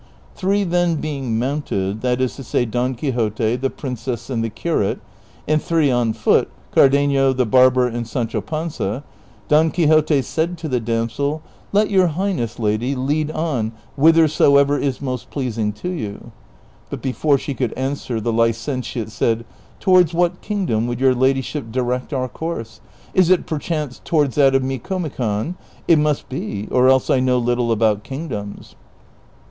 Three then being mounted, that is to say, Don Quixote, the l)rincess. and the curate, and three on foot, Cardenio, the bar ber, and Sancho Panza, Don Quixote said to the damsel, *' Let your highness, lady, lead on whithersoever is luost pleasing to you ;" but before she could answer the licentiate said, '■'■ To wards what kingdom would your ladyship direct our course ? Is it perchance towards that of Micomicon ? It must be, or else I know little about kingdoms."